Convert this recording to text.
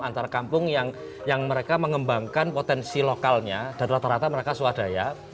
antar kampung yang mereka mengembangkan potensi lokalnya dan rata rata mereka swadaya